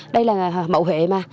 đây là mẫu hệ mà